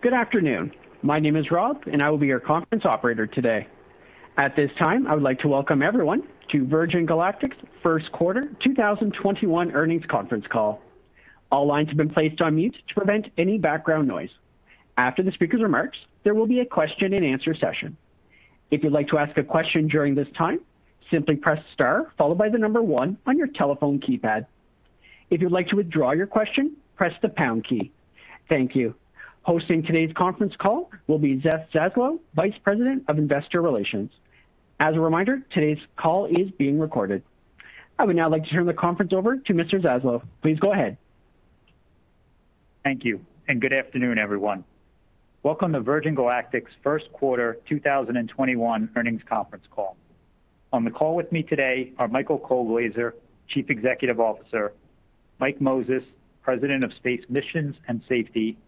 Good afternoon. My name is Rob, and I will be your conference operator today. At this time, I would like to welcome everyone to Virgin Galactic's Q1 2021 Earnings Conference Call. All lines have been placed on mute to prevent any background noise. After the speaker's remarks, there will be a question-and-answer session. If you'd like to ask a question during this time, simply press *1 on your telephone keypad. If you'd like to withdraw your question, press the # key. Thank you. Hosting today's conference call will be Seth Zaslow, Vice President of Investor Relations. As a reminder, today's call is being recorded. I would now like to turn the conference over to Mr. Zaslow. Please go ahead. Thank you. Good afternoon, everyone. Welcome to Virgin Galactic's Q1 2021 Earnings Conference Call. On the call with me today are Michael Colglazier, Chief Executive Officer, Mike Moses, President of Space Missions and Safety,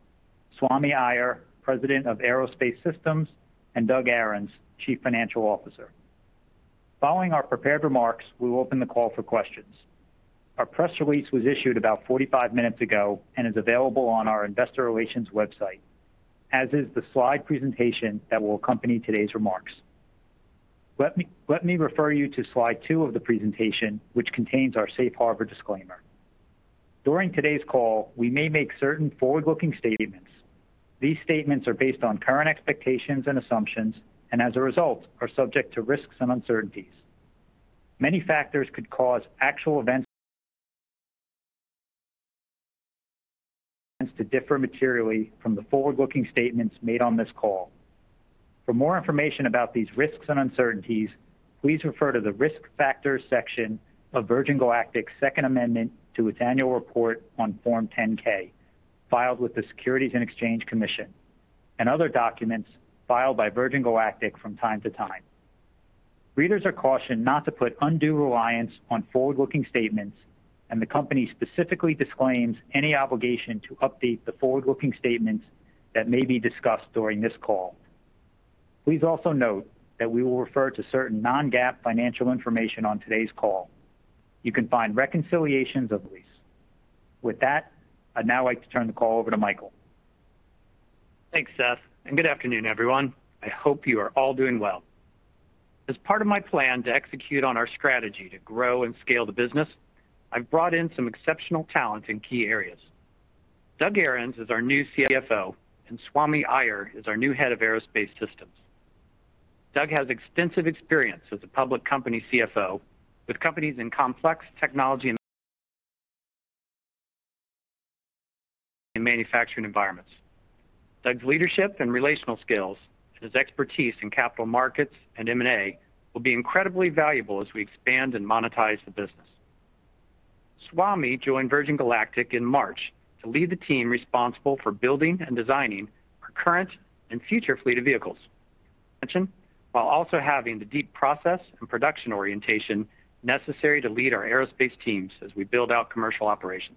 Swami Iyer, President of Aerospace Systems, and Doug Ahrens, Chief Financial Officer. Following our prepared remarks, we will open the call for questions. Our press release was issued about 45 minutes ago and is available on our Investor Relations website, as is the slide presentation that will accompany today's remarks. Let me refer you to slide two of the presentation, which contains our safe harbor disclaimer. During today's call, we may make certain forward-looking statements. These statements are based on current expectations and assumptions, and as a result, are subject to risks and uncertainties. Many factors could cause actual events to differ materially from the forward-looking statements made on this call. For more information about these risks and uncertainties, please refer to the Risk Factors section of Virgin Galactic's second amendment to its annual report on Form 10-K, filed with the Securities and Exchange Commission, and other documents filed by Virgin Galactic from time to time. Readers are cautioned not to put undue reliance on forward-looking statements, and the company specifically disclaims any obligation to update the forward-looking statements that may be discussed during this call. Please also note that we will refer to certain non-GAAP financial information on today's call. You can find reconciliations of release. With that, I'd now like to turn the call over to Michael. Thanks, Seth, and good afternoon, everyone. I hope you are all doing well. As part of my plan to execute on our strategy to grow and scale the business, I've brought in some exceptional talent in key areas. Doug Ahrens is our new CFO, and Swami Iyer is our new head of Aerospace Systems. Doug has extensive experience as a public company CFO with companies in complex technology and manufacturing environments. Doug's leadership and relational skills, and his expertise in capital markets and M&A will be incredibly valuable as we expand and monetize the business. Swami joined Virgin Galactic in March to lead the team responsible for building and designing our current and future fleet of vehicles. While also having the deep process and production orientation necessary to lead our aerospace teams as we build out commercial operations.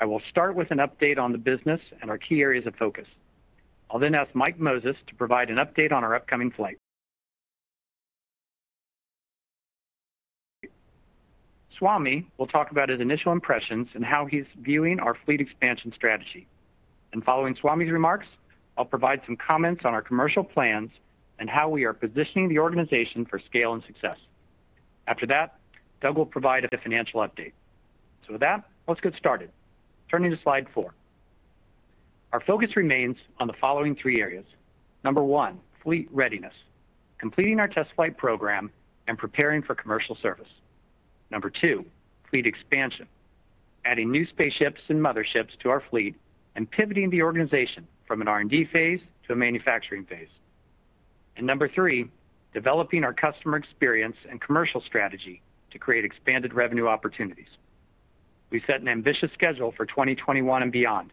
I will start with an update on the business and our key areas of focus. I'll ask Mike Moses to provide an update on our upcoming flight. Swami will talk about his initial impressions and how he's viewing our fleet expansion strategy. Following Swami's remarks, I'll provide some comments on our commercial plans and how we are positioning the organization for scale and success. After that, Doug will provide a financial update. With that, let's get started. Turning to slide 4. Our focus remains on the following three areas. Number 1, fleet readiness, completing our test flight program and preparing for commercial service. Number 2, fleet expansion, adding new spaceships and motherships to our fleet and pivoting the organization from an R&D phase to a manufacturing phase. Number 3, developing our customer experience and commercial strategy to create expanded revenue opportunities. We set an ambitious schedule for 2021 and beyond.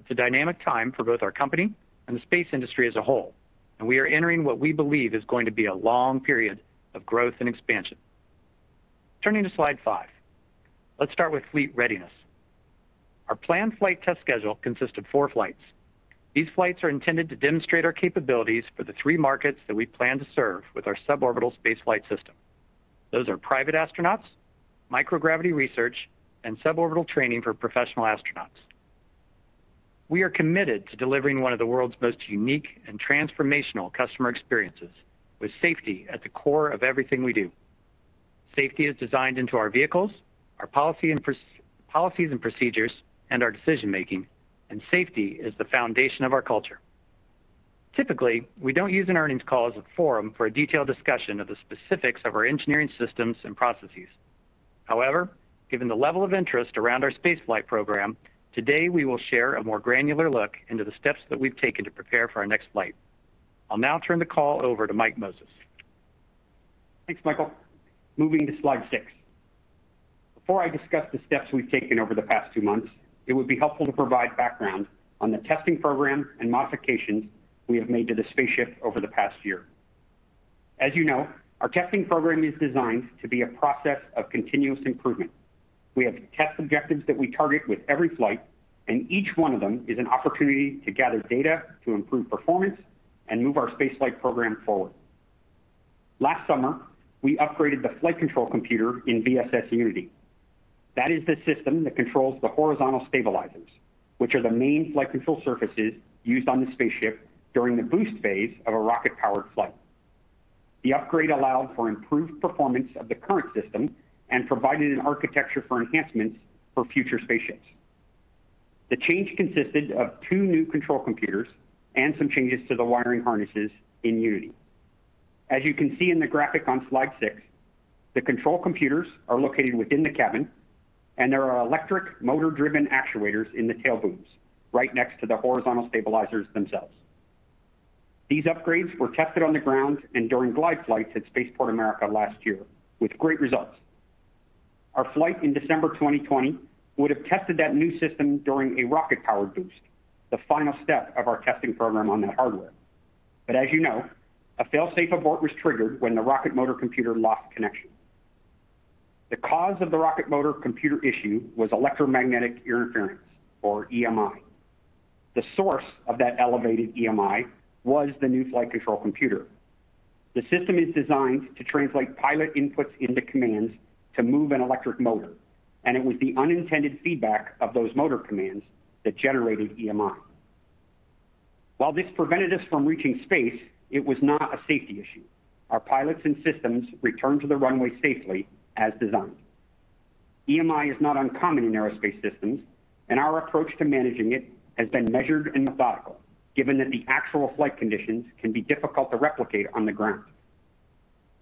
It's a dynamic time for both our company and the space industry as a whole, and we are entering what we believe is going to be a long period of growth and expansion. Turning to slide 5. Let's start with fleet readiness. Our planned flight test schedule consists of four flights. These flights are intended to demonstrate our capabilities for the three markets that we plan to serve with our suborbital space flight system. Those are private astronauts, microgravity research, and suborbital training for professional astronauts. We are committed to delivering one of the world's most unique and transformational customer experiences, with safety at the core of everything we do. Safety is designed into our vehicles, our policies and procedures, and our decision-making, and safety is the foundation of our culture. Typically, we don't use an earnings call as a forum for a detailed discussion of the specifics of our engineering systems and processes. However, given the level of interest around our space flight program, today we will share a more granular look into the steps that we've taken to prepare for our next flight. I'll now turn the call over to Mike Moses. Thanks, Michael. Moving to slide 6. Before I discuss the steps we've taken over the past two months, it would be helpful to provide background on the testing program and modifications we have made to the spaceship over the past year. As you know, our testing program is designed to be a process of continuous improvement. We have test objectives that we target with every flight, each one of them is an opportunity to gather data to improve performance and move our space flight program forward. Last summer, we upgraded the flight control computer in VSS Unity. That is the system that controls the horizontal stabilizers, which are the main flight control surfaces used on the spaceship during the boost phase of a rocket-powered flight. The upgrade allowed for improved performance of the current system and provided an architecture for enhancements for future spaceships. The change consisted of two new control computers and some changes to the wiring harnesses in Unity. As you can see in the graphic on slide 6, the control computers are located within the cabin, and there are electric motor-driven actuators in the tail booms, right next to the horizontal stabilizers themselves. These upgrades were tested on the ground and during glide flights at Spaceport America last year with great results. Our flight in December 2020 would've tested that new system during a rocket-powered boost, the final step of our testing program on that hardware. As you know, a fail-safe abort was triggered when the rocket motor computer lost connection. The cause of the rocket motor computer issue was electromagnetic interference, or EMI. The source of that elevated EMI was the new flight control computer. The system is designed to translate pilot inputs into commands to move an electric motor, and it was the unintended feedback of those motor commands that generated EMI. While this prevented us from reaching space, it was not a safety issue. Our pilots and systems returned to the runway safely as designed. EMI is not uncommon in aerospace systems, and our approach to managing it has been measured and methodical, given that the actual flight conditions can be difficult to replicate on the ground.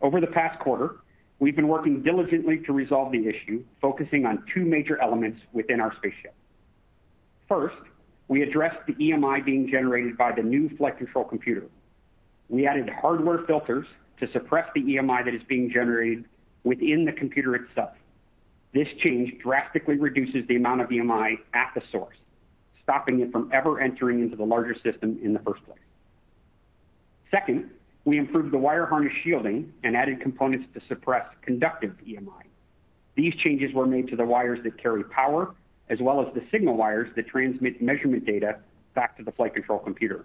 Over the past quarter, we've been working diligently to resolve the issue, focusing on two major elements within our spaceship. First, we addressed the EMI being generated by the new flight control computer. We added hardware filters to suppress the EMI that is being generated within the computer itself. This change drastically reduces the amount of EMI at the source, stopping it from ever entering into the larger system in the first place. Second, we improved the wire harness shielding and added components to suppress conductive EMI. These changes were made to the wires that carry power, as well as the signal wires that transmit measurement data back to the flight control computer.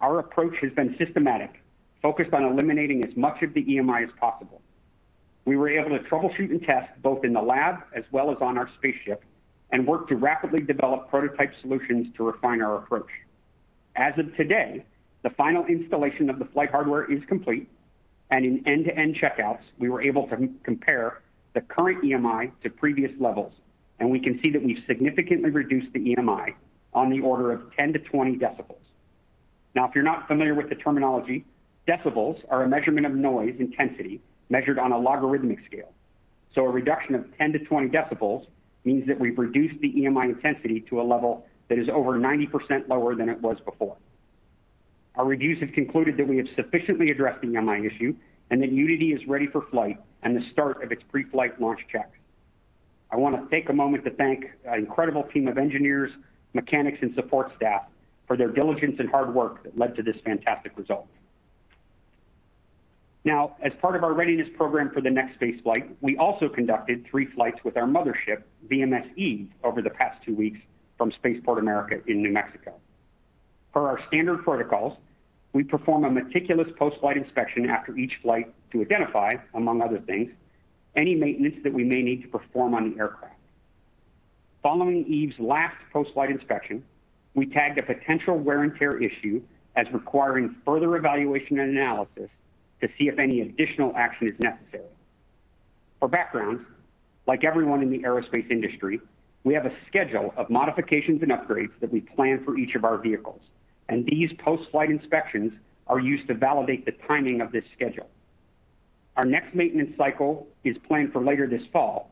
Our approach has been systematic, focused on eliminating as much of the EMI as possible. We were able to troubleshoot and test both in the lab as well as on our spaceship and work to rapidly develop prototype solutions to refine our approach. As of today, the final installation of the flight hardware is complete, and in end-to-end checkouts, we were able to compare the current EMI to previous levels, and we can see that we've significantly reduced the EMI on the order of 10 to 20 decibels. Now, if you're not familiar with the terminology, decibels are a measurement of noise intensity measured on a logarithmic scale. A reduction of 10 to 20 decibels means that we've reduced the EMI intensity to a level that is over 90% lower than it was before. Our reviews have concluded that we have sufficiently addressed the EMI issue and that Unity is ready for flight and the start of its pre-flight launch checks. I want to take a moment to thank our incredible team of engineers, mechanics, and support staff for their diligence and hard work that led to this fantastic result. As part of our readiness program for the next space flight, we also conducted three flights with our mothership, VMS Eve, over the past two weeks from Spaceport America in New Mexico. Per our standard protocols, we perform a meticulous post-flight inspection after each flight to identify, among other things, any maintenance that we may need to perform on the aircraft. Following Eve's last post-flight inspection, we tagged a potential wear and tear issue as requiring further evaluation and analysis to see if any additional action is necessary. For background, like everyone in the aerospace industry, we have a schedule of modifications and upgrades that we plan for each of our vehicles, and these post-flight inspections are used to validate the timing of this schedule. Our next maintenance cycle is planned for later this fall,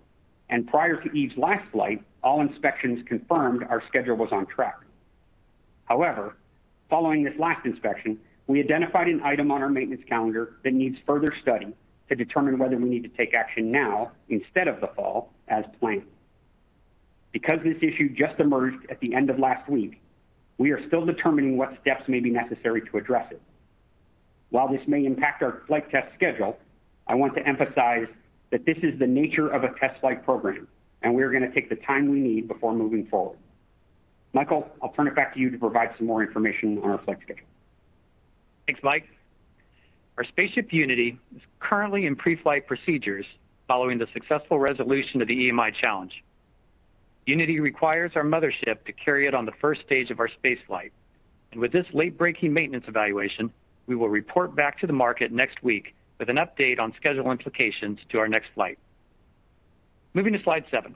and prior to Eve's last flight, all inspections confirmed our schedule was on track. However, following this last inspection, we identified an item on our maintenance calendar that needs further study to determine whether we need to take action now instead of the fall, as planned. Because this issue just emerged at the end of last week, we are still determining what steps may be necessary to address it. While this may impact our flight test schedule, I want to emphasize that this is the nature of a test flight program, and we are going to take the time we need before moving forward. Michael, I'll turn it back to you to provide some more information on our flight schedule. Thanks, Mike. Our spaceship, Unity, is currently in pre-flight procedures following the successful resolution of the EMI challenge. Unity requires our mothership to carry it on the stage 1 of our space flight, and with this late-breaking maintenance evaluation, we will report back to the market next week with an update on schedule implications to our next flight. Moving to slide 7.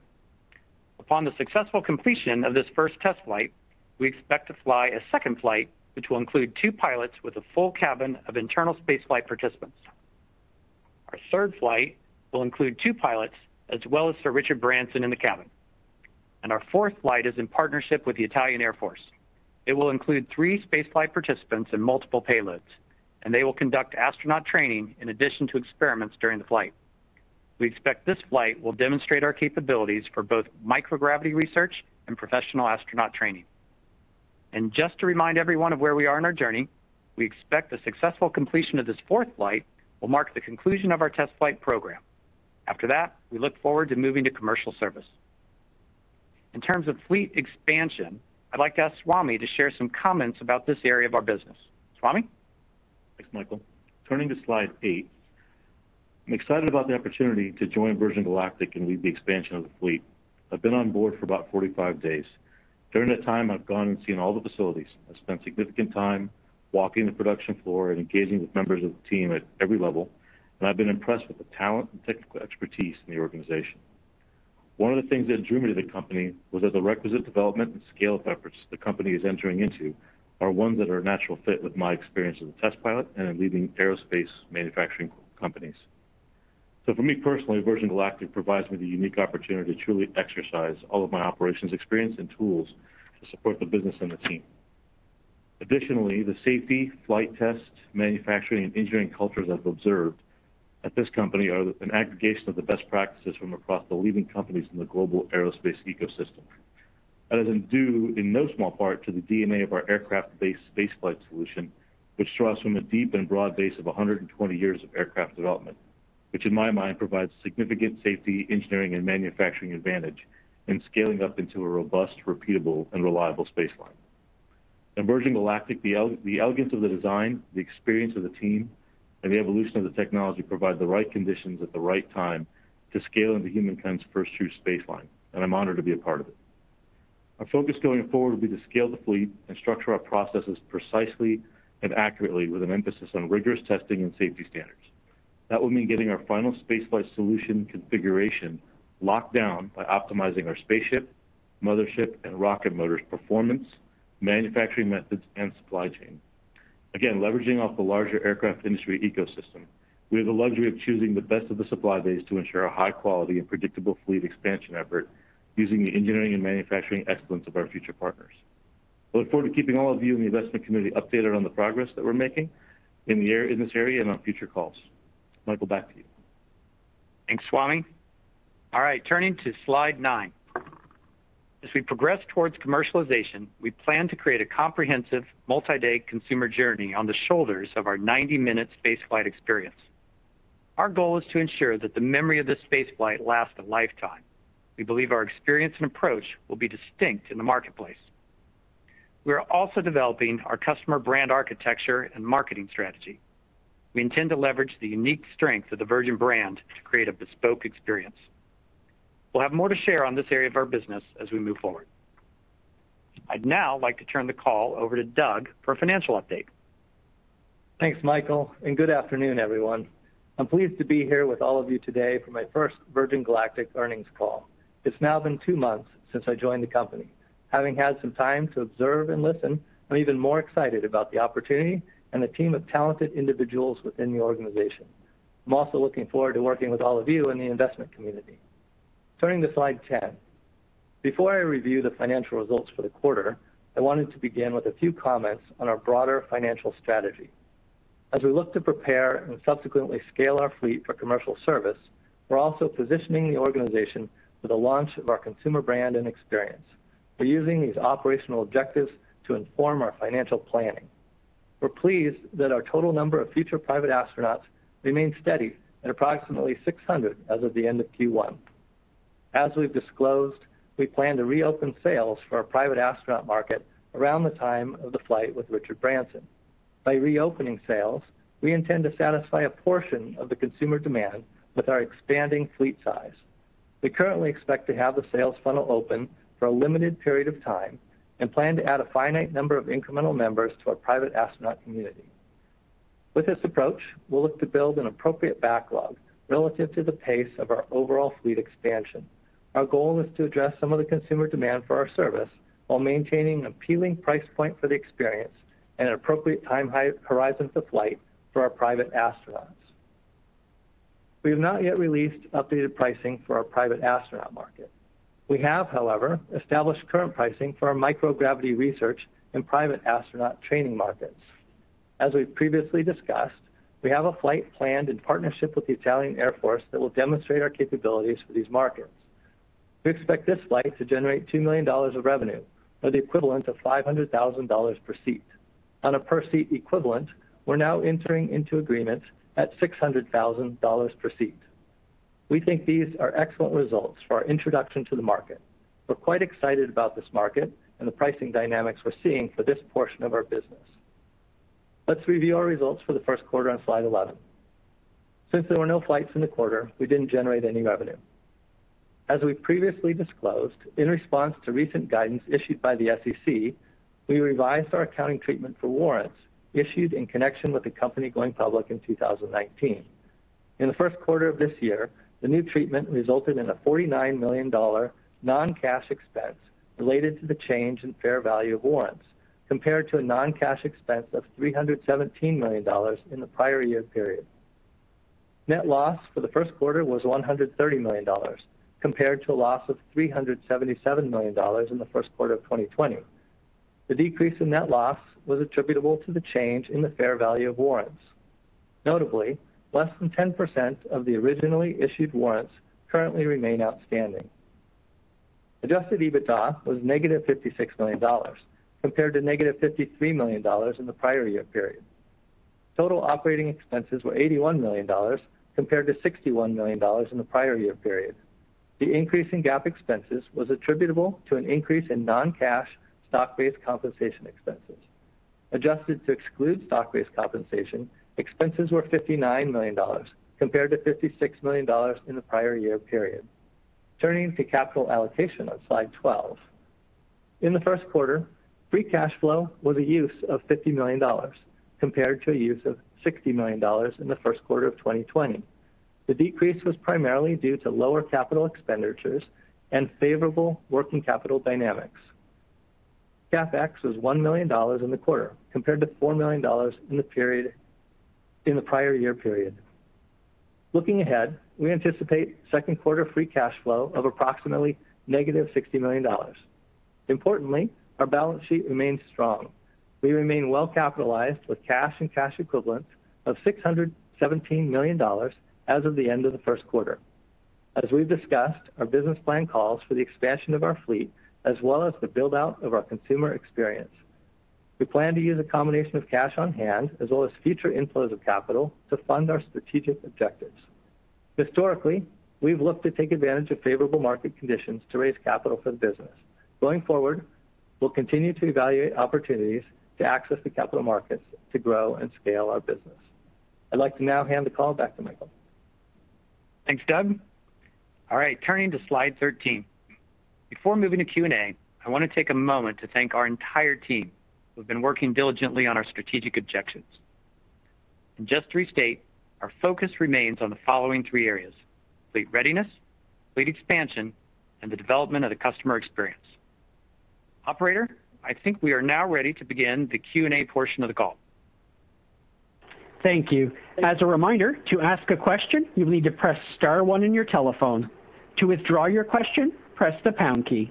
Upon the successful completion of this first test flight, we expect to fly a second flight, which will include two pilots with a full cabin of internal space flight participants. Our third flight will include two pilots, as well as Sir Richard Branson in the cabin. Our fourth flight is in partnership with the Italian Air Force. It will include three space flight participants and multiple payloads, and they will conduct astronaut training in addition to experiments during the flight. We expect this flight will demonstrate our capabilities for both microgravity research and professional astronaut training. Just to remind everyone of where we are in our journey, we expect the successful completion of this fourth flight will mark the conclusion of our test flight program. After that, we look forward to moving to commercial service. In terms of fleet expansion, I'd like to ask Swami to share some comments about this area of our business. Swami? Thanks, Michael. Turning to slide 8, I'm excited about the opportunity to join Virgin Galactic and lead the expansion of the fleet. I've been on board for about 45 days. During that time, I've gone and seen all the facilities. I've spent significant time walking the production floor and engaging with members of the team at every level. I've been impressed with the talent and technical expertise in the organization. One of the things that drew me to the company was that the requisite development and scale of efforts the company is entering into are ones that are a natural fit with my experience as a test pilot and in leading aerospace manufacturing companies. For me personally, Virgin Galactic provides me the unique opportunity to truly exercise all of my operations experience and tools to support the business and the team. Additionally, the safety, flight test, manufacturing, and engineering cultures I've observed at this company are an aggregation of the best practices from across the leading companies in the global aerospace ecosystem. That is due in no small part to the DNA of our aircraft-based spaceflight solution, which draws from a deep and broad base of 120 years of aircraft development, which in my mind provides significant safety, engineering, and manufacturing advantage in scaling up into a robust, repeatable, and reliable spaceline. In Virgin Galactic, the elegance of the design, the experience of the team, and the evolution of the technology provide the right conditions at the right time to scale into humankind's first true spaceline, and I'm honored to be a part of it. Our focus going forward will be to scale the fleet and structure our processes precisely and accurately with an emphasis on rigorous testing and safety standards. That will mean getting our final spaceflight solution configuration locked down by optimizing our spaceship, mothership, and rocket motor's performance, manufacturing methods, and supply chain. Again, leveraging off the larger aircraft industry ecosystem, we have the luxury of choosing the best of the supply base to ensure a high-quality and predictable fleet expansion effort using the engineering and manufacturing excellence of our future partners. I look forward to keeping all of you in the investment community updated on the progress that we're making in this area and on future calls. Michael, back to you. Thanks, Swami. All right, turning to slide 9. As we progress towards commercialization, we plan to create a comprehensive multi-day consumer journey on the shoulders of our 90-minute space flight experience. Our goal is to ensure that the memory of the space flight lasts a lifetime. We believe our experience and approach will be distinct in the marketplace. We are also developing our customer brand architecture and marketing strategy. We intend to leverage the unique strength of the Virgin brand to create a bespoke experience. We'll have more to share on this area of our business as we move forward. I'd now like to turn the call over to Doug for a financial update. Thanks, Michael, and good afternoon, everyone. I'm pleased to be here with all of you today for my first Virgin Galactic earnings call. It's now been two months since I joined the company. Having had some time to observe and listen, I'm even more excited about the opportunity and the team of talented individuals within the organization. I'm also looking forward to working with all of you in the investment community. Turning to slide 10. Before I review the financial results for the quarter, I wanted to begin with a few comments on our broader financial strategy. As we look to prepare and subsequently scale our fleet for commercial service, we're also positioning the organization for the launch of our consumer brand and experience. We're using these operational objectives to inform our financial planning. We're pleased that our total number of future private astronauts remains steady at approximately 600 as of the end of Q1. As we've disclosed, we plan to reopen sales for our private astronaut market around the time of the flight with Richard Branson. By reopening sales, we intend to satisfy a portion of the consumer demand with our expanding fleet size. We currently expect to have the sales funnel open for a limited period of time and plan to add a finite number of incremental members to our private astronaut community. With this approach, we'll look to build an appropriate backlog relative to the pace of our overall fleet expansion. Our goal is to address some of the consumer demand for our service while maintaining an appealing price point for the experience and an appropriate time horizon for flight for our private astronauts. We have not yet released updated pricing for our private astronaut market. We have, however, established current pricing for our microgravity research in private astronaut training markets. As we've previously discussed, we have a flight planned in partnership with the Italian Air Force that will demonstrate our capabilities for these markets. We expect this flight to generate $2 million of revenue, or the equivalent of $500,000 per seat. On a per seat equivalent, we're now entering into agreements at $600,000 per seat. We think these are excellent results for our introduction to the market. We're quite excited about this market and the pricing dynamics we're seeing for this portion of our business. Let's review our results for the Q1 on slide 11. Since there were no flights in the quarter, we didn't generate any revenue. As we previously disclosed, in response to recent guidance issued by the SEC, we revised our accounting treatment for warrants issued in connection with the company going public in 2019. In the Q1 of this year, the new treatment resulted in a $49 million non-cash expense related to the change in fair value of warrants, compared to a non-cash expense of $317 million in the prior year period. Net loss for the Q1 was $130 million, compared to a loss of $377 million in the Q1 of 2020. The decrease in net loss was attributable to the change in the fair value of warrants. Notably, less than 10% of the originally issued warrants currently remain outstanding. Adjusted EBITDA was negative $56 million, compared to negative $53 million in the prior year period. Total operating expenses were $81 million compared to $61 million in the prior year period. The increase in GAAP expenses was attributable to an increase in non-cash stock-based compensation expenses. Adjusted to exclude stock-based compensation, expenses were $59 million compared to $56 million in the prior year period. Turning to capital allocation on slide 12. In the Q1, free cash flow was a use of $50 million compared to a use of $60 million in the Q1 of 2020. The decrease was primarily due to lower capital expenditures and favorable working capital dynamics. CapEx was $1 million in the quarter compared to $4 million in the prior year period. Looking ahead, we anticipate Q2 free cash flow of approximately -$60 million. Importantly, our balance sheet remains strong. We remain well-capitalized with cash and cash equivalents of $617 million as of the end of the Q1. As we've discussed, our business plan calls for the expansion of our fleet as well as the build-out of our consumer experience. We plan to use a combination of cash on hand as well as future inflows of capital to fund our strategic objectives. Historically, we've looked to take advantage of favorable market conditions to raise capital for the business. Going forward, we'll continue to evaluate opportunities to access the capital markets to grow and scale our business. I'd like to now hand the call back to Michael. Thanks, Doug. All right, turning to slide 13. Before moving to Q&A, I want to take a moment to thank our entire team who've been working diligently on our strategic objectives. Just to restate, our focus remains on the following three areas: fleet readiness, fleet expansion, and the development of the customer experience. Operator, I think we are now ready to begin the Q&A portion of the call. Thank you. As a reminder, to ask a question, you'll need to press *1 on your telephone. To withdraw your question, press the # key.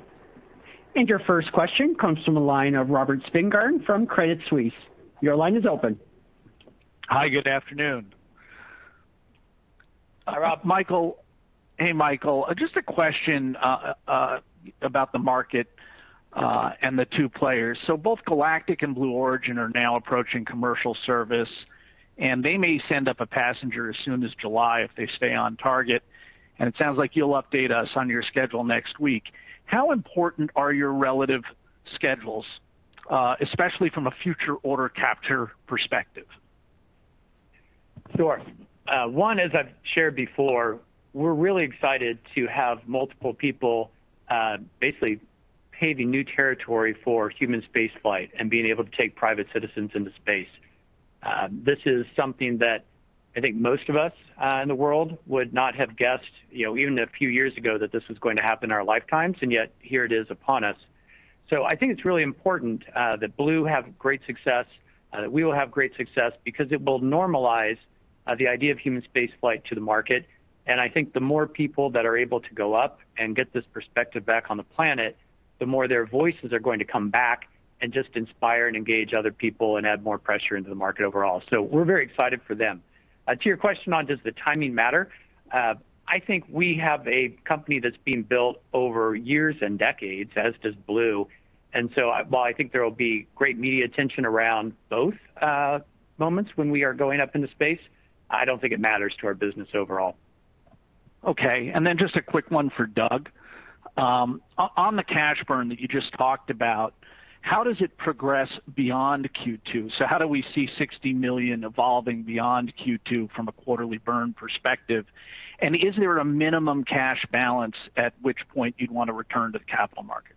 Your first question comes from the line of Robert Spingarn from Credit Suisse. Your line is open. Hi, good afternoon. Hi, Robert. Hey, Michael. Just a question about the market and the two players. Both Galactic and Blue Origin are now approaching commercial service, and they may send up a passenger as soon as July if they stay on target, and it sounds like you'll update us on your schedule next week. Sure. One, as I've shared before, we're really excited to have multiple people basically paving new territory for human space flight and being able to take private citizens into space. This is something that I think most of us in the world would not have guessed even a few years ago that this was going to happen in our lifetimes, and yet here it is upon us. I think it's really important that Blue Origin have great success, that we will have great success because it will normalize the idea of human space flight to the market. I think the more people that are able to go up and get this perspective back on the planet, the more their voices are going to come back and just inspire and engage other people and add more pressure into the market overall. We're very excited for them. To your question on does the timing matter, I think we have a company that's being built over years and decades, as does Blue Origin. While I think there will be great media attention around both moments when we are going up into space, I don't think it matters to our business overall. Okay. Just a quick one for Doug. On the cash burn that you just talked about, how does it progress beyond Q2? How do we see $60 million evolving beyond Q2 from a quarterly burn perspective? Is there a minimum cash balance at which point you'd want to return to the capital markets?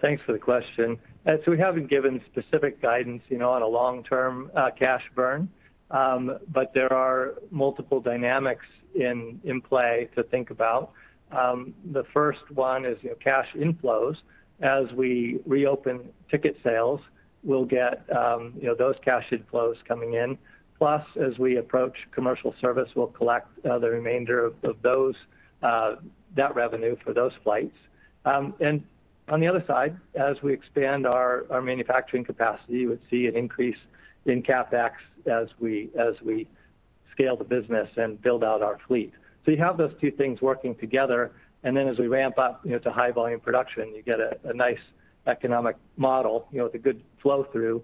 Thanks for the question. We haven't given specific guidance on a long-term cash burn, but there are multiple dynamics in play to think about. The first one is cash inflows. As we reopen ticket sales, we'll get those cash inflows coming in. As we approach commercial service, we'll collect the remainder of that revenue for those flights. On the other side, as we expand our manufacturing capacity, you would see an increase in CapEx as we scale the business and build out our fleet. You have those two things working together, and then as we ramp up to high volume production, you get a nice economic model with a good flow-through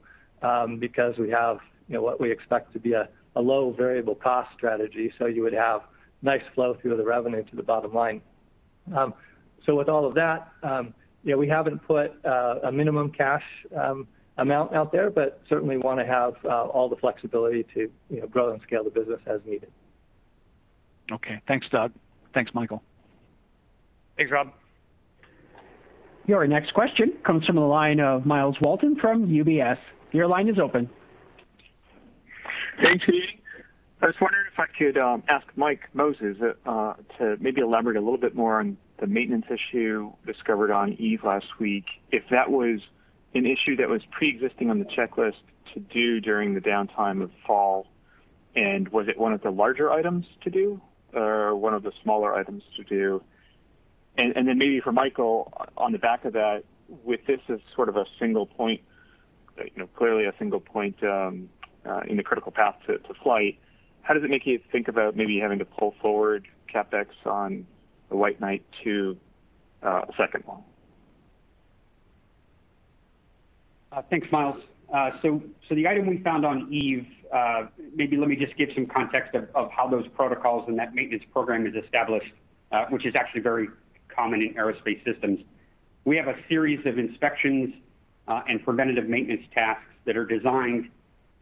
because we have what we expect to be a low variable cost strategy, so you would have nice flow through of the revenue to the bottom line. With all of that, we haven't put a minimum cash amount out there, but certainly want to have all the flexibility to grow and scale the business as needed. Okay. Thanks, Doug. Thanks, Michael. Thanks, Rob. Your next question comes from the line of Myles Walton from UBS. Your line is open. Thanks. I was wondering if I could ask Mike Moses to maybe elaborate a little bit more on the maintenance issue discovered on Eve last week. If that was an issue that was pre-existing on the checklist to do during the downtime of fall, was it one of the larger items to do or one of the smaller items to do? Maybe for Michael, on the back of that, with this as sort of clearly a single point in the critical path to flight, how does it make you think about maybe having to pull forward CapEx on the WhiteKnightTwo, second one? Thanks, Myles. The item we found on Eve, maybe let me just give some context of how those protocols and that maintenance program is established, which is actually very common in aerospace systems. We have a series of inspections and preventative maintenance tasks that are designed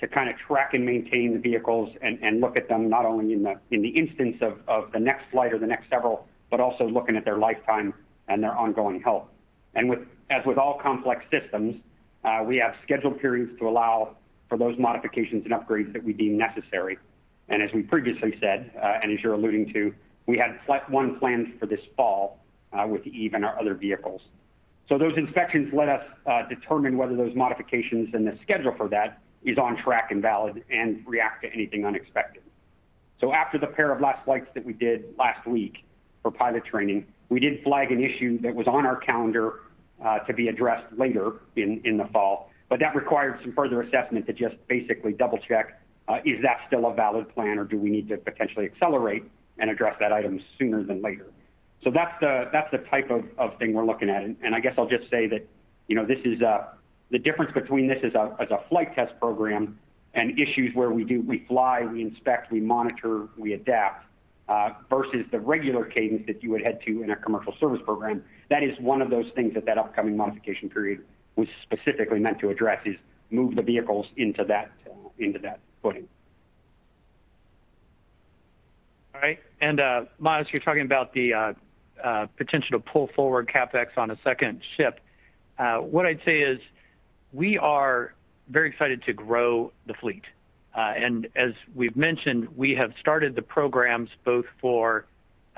to kind of track and maintain the vehicles and look at them, not only in the instance of the next flight or the next several, but also looking at their lifetime and their ongoing health. As with all complex systems, we have scheduled periods to allow for those modifications and upgrades that we deem necessary. As we previously said, and as you're alluding to, we had flight testing planned for this fall with Eve and our other vehicles. Those inspections let us determine whether those modifications and the schedule for that is on track and valid and react to anything unexpected. After the pair of last flights that we did last week for pilot training, we did flag an issue that was on our calendar to be addressed later in the fall, but that required some further assessment to just basically double-check is that still a valid plan, or do we need to potentially accelerate and address that item sooner than later? That's the type of thing we're looking at, and I guess I'll just say that the difference between this as a flight test program and issues where we do, we fly, we inspect, we monitor, we adapt, versus the regular cadence that you would head to in a commercial service program. That is one of those things that upcoming modification period was specifically meant to address, is move the vehicles into that footing. All right. Myles, you're talking about the potential to pull forward CapEx on a second ship. What I'd say is we are very excited to grow the fleet. As we've mentioned, we have started the programs both for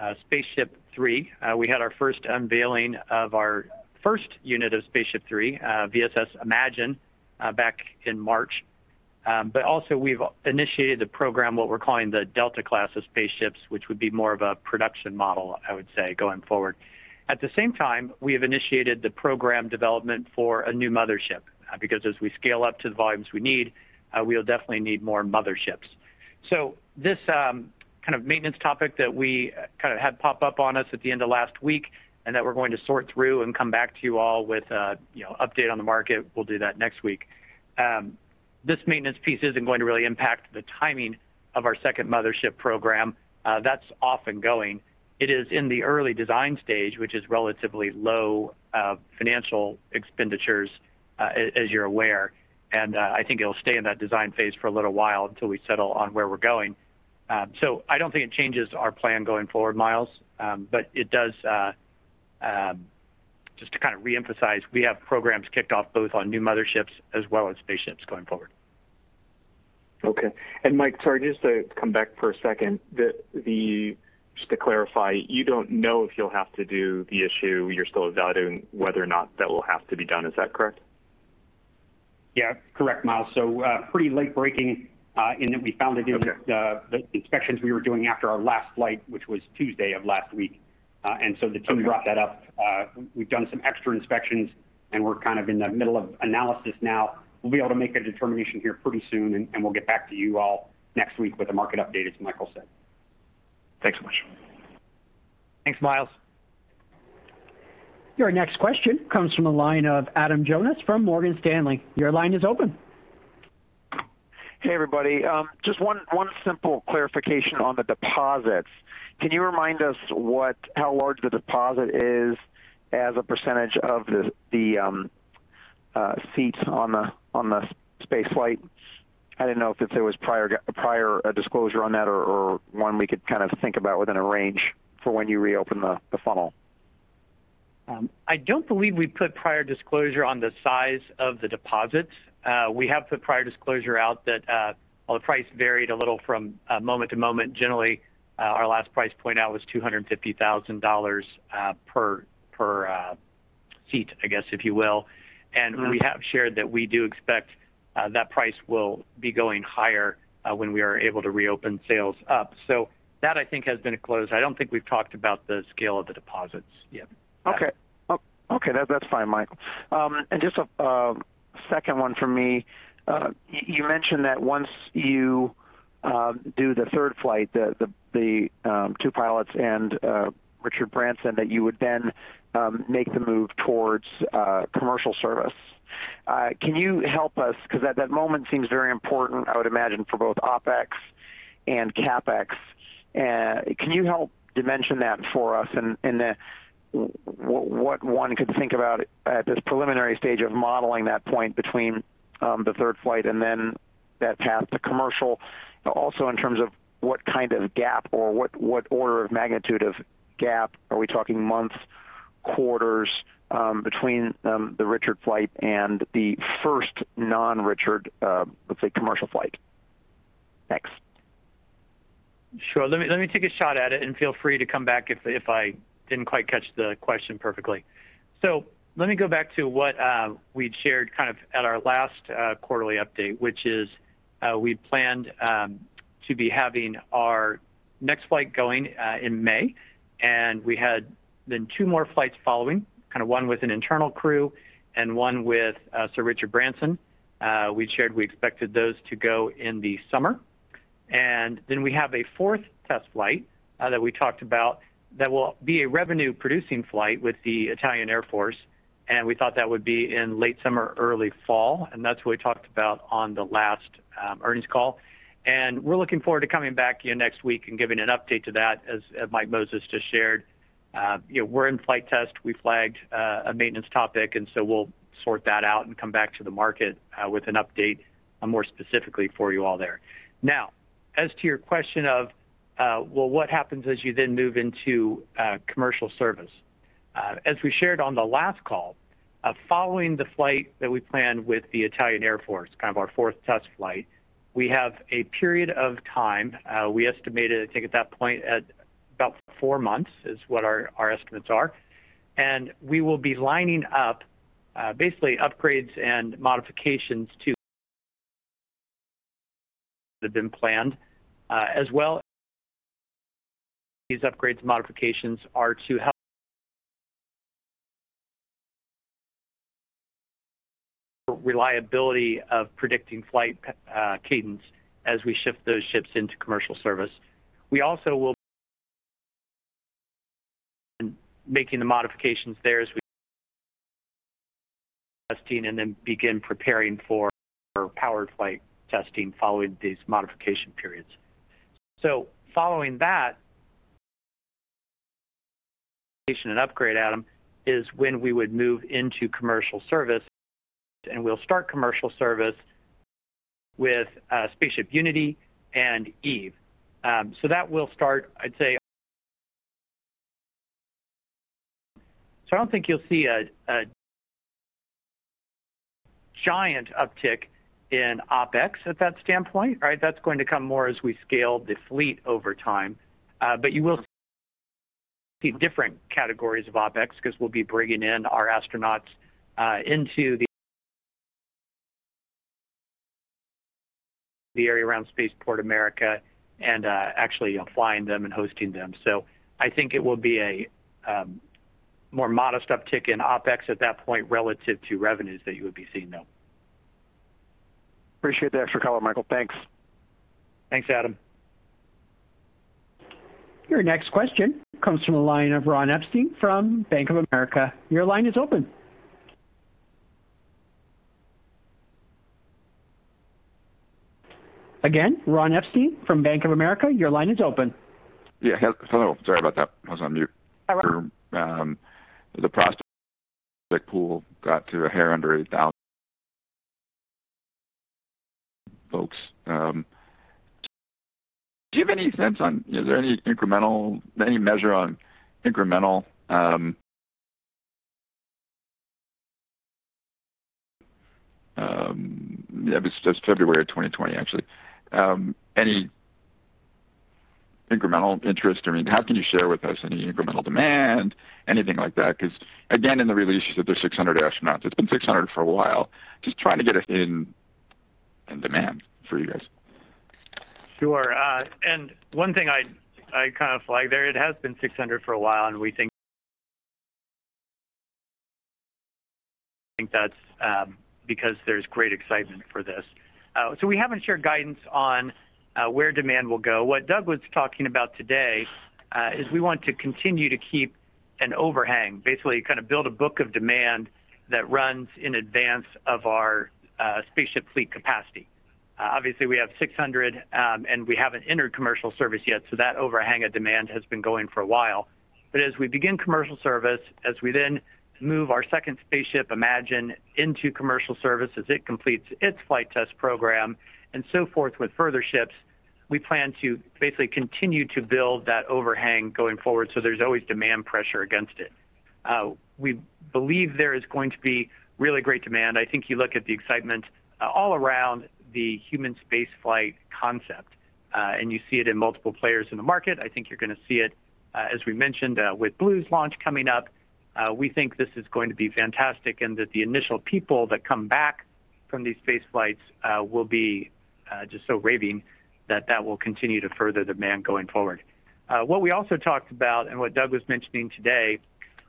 SpaceShip III. We had our first unveiling of our first unit of SpaceShip III, VSS Imagine, back in March. Also we've initiated the program, what we're calling the Delta class of spaceships, which would be more of a production model, I would say, going forward. At the same time, we have initiated the program development for a new mothership, because as we scale up to the volumes we need, we'll definitely need more motherships. This kind of maintenance topic that we kind of had pop up on us at the end of last week, and that we're going to sort through and come back to you all with an update on the market. We'll do that next week. This maintenance piece isn't going to really impact the timing of our second mothership program. That's off and going. It is in the early design stage, which is relatively low financial expenditures, as you're aware, and I think it'll stay in that design phase for a little while until we settle on where we're going. I don't think it changes our plan going forward, Myles, but it does. Just to kind of reemphasize, we have programs kicked off both on new motherships as well as spaceships going forward. Okay. Mike, sorry, just to come back for a second, just to clarify, you don't know if you'll have to do the issue. You're still evaluating whether or not that will have to be done. Is that correct? Yeah. Correct, Myles. pretty late-breaking in that we found the inspections we were doing after our last flight, which was Tuesday of last week and so the team brought that up. We've done some extra inspections and we're kind of in the middle of analysis now. We'll be able to make a determination here pretty soon and we'll get back to you all next week with a market update, as Michael said. Thanks so much. Thanks, Myles. Your next question comes from the line of Adam Jonas from Morgan Stanley. Your line is open. Hey, everybody. Just one simple clarification on the deposits. Can you remind us how large the deposit is as a percentage of the seats on the spaceflight? I didn't know if there was a prior disclosure on that or one we could kind of think about within a range for when you reopen the funnel. I don't believe we put prior disclosure on the size of the deposits. We have put prior disclosure out that while the price varied a little from moment to moment, generally our last price point out was $250,000 per seat, I guess, if you will. We have shared that we do expect that price will be going higher when we are able to reopen sales up. That, I think, has been disclosed. I don't think we've talked about the scale of the deposits yet. Okay. That's fine, Michael. Just a second one from me. You mentioned that once you do the third flight, the two pilots and Richard Branson, that you would then make the move towards commercial service. Can you help us, because that moment seems very important, I would imagine, for both OpEx and CapEx. Can you help dimension that for us in what one could think about at this preliminary stage of modeling that point between the third flight and then that path to commercial? Also in terms of what kind of gap or what order of magnitude of gap. Are we talking months, quarters between the Richard flight and the first non-Richard, let's say, commercial flight? Thanks. Sure. Let me take a shot at it and feel free to come back if I didn't quite catch the question perfectly. Let me go back to what we'd shared kind of at our last quarterly update, which is we planned to be having our next flight going in May, and we had then two more flights following, kind of one with an internal crew and one with Sir Richard Branson. We'd shared we expected those to go in the summer. We have a fourth test flight that we talked about that will be a revenue-producing flight with the Italian Air Force, and we thought that would be in late summer, early fall, and that's what we talked about on the last earnings call. We're looking forward to coming back to you next week and giving an update to that, as Mike Moses just shared. We're in flight test. We flagged a maintenance topic. We'll sort that out and come back to the market with an update more specifically for you all there. As to your question of, well, what happens as you then move into commercial service? As we shared on the last call, following the flight that we planned with the Italian Air Force, kind of our fourth test flight, we have a period of time. We estimated, I think at that point, at about four months is what our estimates are. We will be lining up basically upgrades and modifications that have been planned, as well these upgrades and modifications are to help reliability of predicting flight cadence as we shift those ships into commercial service. We also will be making the modifications there as we testing and then begin preparing for powered flight testing following these modification periods. Following that enhancement period, Adam, is when we would move into commercial service, and we'll start commercial service with SpaceShip Unity and Eve. That will start, I'd say. I don't think you'll see a giant uptick in OPEX at that standpoint. That's going to come more as we scale the fleet over time. You will see different categories of OPEX because we'll be bringing in our astronauts into the area around Spaceport America and actually flying them and hosting them. I think it will be a more modest uptick in OPEX at that point relative to revenues that you would be seeing, though. Appreciate the extra color, Michael. Thanks. Thanks, Adam. Your next question comes from the line of Ron Epstein from Bank of America. Your line is open. Again, Ron Epstein from Bank of America, your line is open. Yeah. Hello. Sorry about that. I was on mute. Hi, Ron. The prospect pool got to a hair under 8,000 folks. Do you have any sense on, is there any measure on incremental, that was just February of 2020, actually, any incremental interest? I mean, how can you share with us any incremental demand, anything like that? Again, in the release, there's 600 astronauts. It's been 600 for a while. Just trying to get in demand for you guys. Sure. One thing I'd kind of flag there, it has been 600 for a while, and we think that's because there's great excitement for this. We haven't shared guidance on where demand will go. What Doug was talking about today is we want to continue to keep an overhang, basically kind of build a book of demand that runs in advance of our spaceship fleet capacity. Obviously, we have 600, and we haven't entered commercial service yet, so that overhang of demand has been going for a while. As we begin commercial service, as we then move our second spaceship, Imagine, into commercial service as it completes its flight test program and so forth with further ships, we plan to basically continue to build that overhang going forward so there's always demand pressure against it. We believe there is going to be really great demand. I think you look at the excitement all around the human spaceflight concept, and you see it in multiple players in the market. I think you're going to see it, as we mentioned, with Blue Origin's launch coming up. We think this is going to be fantastic and that the initial people that come back from these spaceflights will be just so raving that that will continue to further demand going forward. What we also talked about and what Doug was mentioning today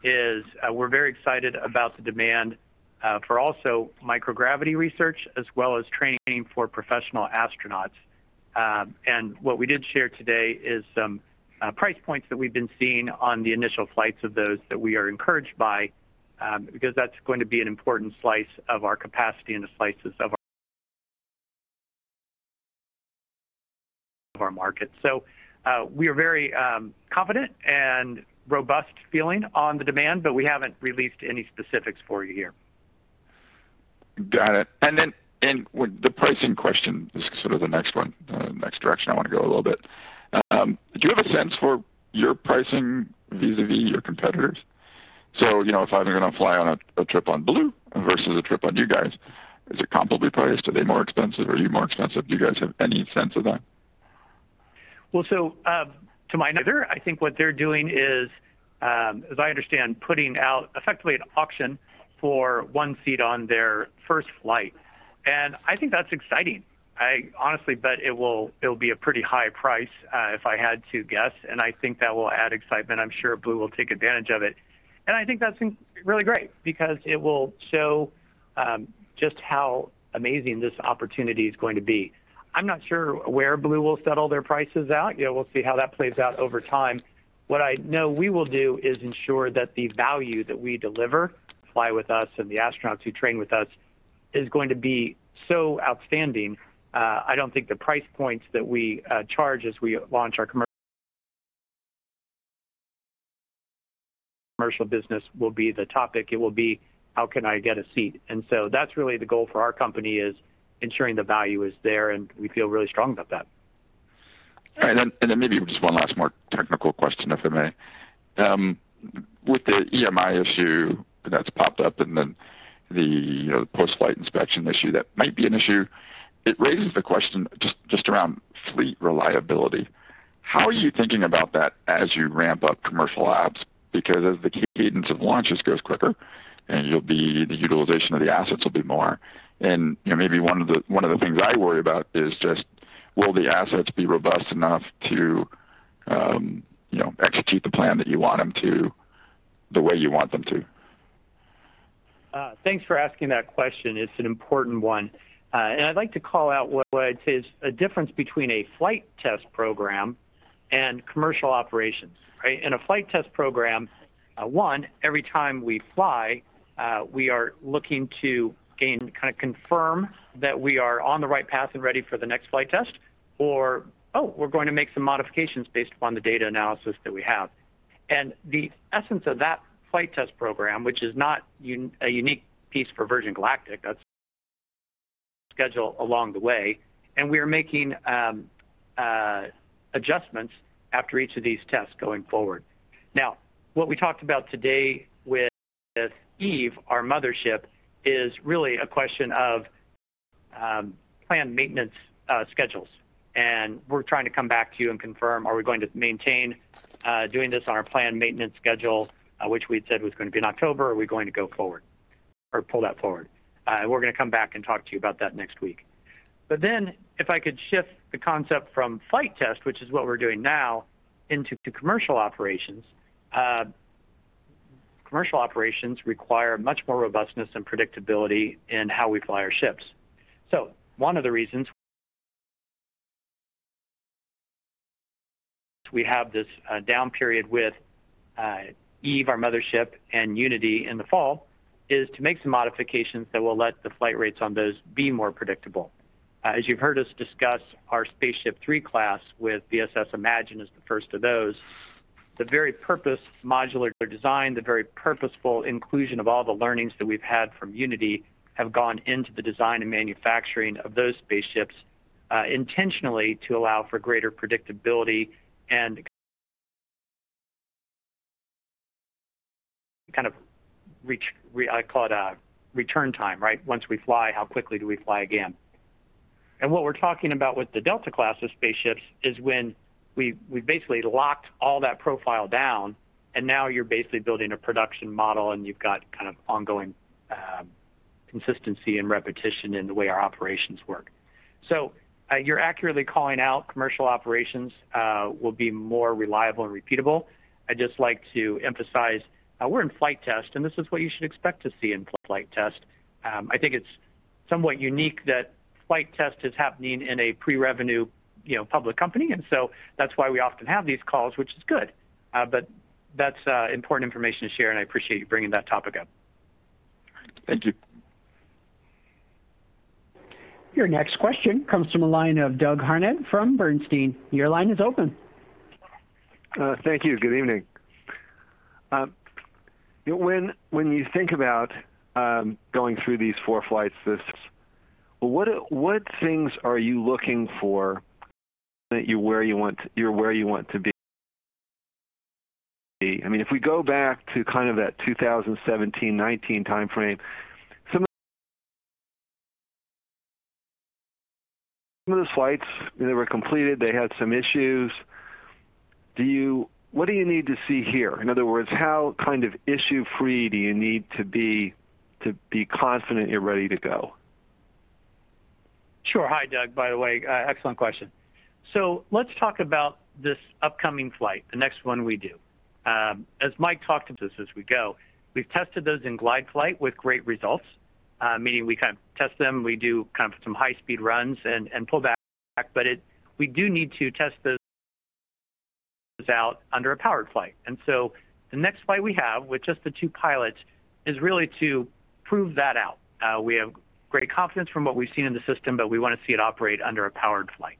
is we're very excited about the demand for also microgravity research as well as training for professional astronauts. What we did share today is some price points that we've been seeing on the initial flights of those that we are encouraged by, because that's going to be an important slice of our capacity and the slices of our market. We are very confident and robust-feeling on the demand, but we haven't released any specifics for you here. Got it. With the pricing question, this is sort of the next one, the next direction I want to go a little bit. Do you have a sense for your pricing vis-a-vis your competitors? If I'm going to fly on a trip on Blue Origin versus a trip on you guys, is it comparably priced? Are they more expensive? Are you more expensive? Do you guys have any sense of that? Well, to my mind. I think what they're doing is, as I understand, putting out effectively an auction for one seat on their first flight. I think that's exciting. I honestly bet it'll be a pretty high price, if I had to guess. I think that will add excitement. I'm sure Blue Origin will take advantage of it. I think that's really great because it will show just how amazing this opportunity is going to be. I'm not sure where Blue Origin will settle their prices out. We'll see how that plays out over time. What I know we will do is ensure that the value that we deliver, for those who fly with us, and the astronauts who train with us is going to be so outstanding. I don't think the price points that we charge as we launch our commercial business will be the topic. It will be, how can I get a seat? That's really the goal for our company, is ensuring the value is there, and we feel really strong about that. All right. Maybe just one last more technical question, if I may. With the EMI issue that's popped up and then the post-flight inspection issue, that might be an issue. It raises the question just around fleet reliability. How are you thinking about that as you ramp up commercial ops? As the cadence of launches goes quicker and the utilization of the assets will be more, and maybe one of the things I worry about is just will the assets be robust enough to execute the plan that you want them to, the way you want them to? Thanks for asking that question. It's an important one. I'd like to call out what I'd say is a difference between a flight test program and commercial operations, right? In a flight test program, one, every time we fly we are looking to gain, confirm that we are on the right path and ready for the next flight test, or we're going to make some modifications based upon the data analysis that we have. The essence of that flight test program, which is not a unique piece for Virgin Galactic, that's scheduled along the way, and we are making adjustments after each of these tests going forward. What we talked about today with Eve, our mothership, is really a question of planned maintenance schedules. We're trying to come back to you and confirm, are we going to maintain doing this on our planned maintenance schedule, which we'd said was going to be in October, or are we going to go forward or pull that forward? We're going to come back and talk to you about that next week. If I could shift the concept from flight test, which is what we're doing now, into commercial operations. Commercial operations require much more robustness and predictability in how we fly our ships. One of the reasons we have this down period with Eve, our mothership, and Unity in the fall, is to make some modifications that will let the flight rates on those be more predictable. As you've heard us discuss our SpaceShip III class with VSS Imagine as the first of those, the very purpose modular design, the very purposeful inclusion of all the learnings that we've had from Unity have gone into the design and manufacturing of those spaceships intentionally to allow for greater predictability and kind of I call it a return time, right? Once we fly, how quickly do we fly again? What we're talking about with the Delta class of spaceships is when we basically locked all that profile down, and now you're basically building a production model and you've got kind of ongoing consistency and repetition in the way our operations work. You're accurately calling out commercial operations will be more reliable and repeatable. I'd just like to emphasize, we're in flight test, and this is what you should expect to see in flight test. I think it's somewhat unique that flight test is happening in a pre-revenue public company. That's why we often have these calls, which is good. That's important information to share, and I appreciate you bringing that topic up. Thank you. Your next question comes from the line of Doug Harned from Bernstein. Your line is open. Thank you. Good evening. When you think about going through these four flights, what things are you looking for that you're where you want to be? If we go back to kind of that 2017, 2019 timeframe, some of the flights, they were completed, they had some issues. What do you need to see here? In other words, how kind of issue free do you need to be to be confident you're ready to go? Sure. Hi, Doug. By the way, excellent question. Let's talk about this upcoming flight, the next one we do. As Mike talked to this as we go, we've tested those in glide flight with great results, meaning we kind of test them, we do kind of some high speed runs and pull back. We do need to test those out under a powered flight. The next flight we have with just the two pilots is really to prove that out. We have great confidence from what we've seen in the system, we want to see it operate under a powered flight.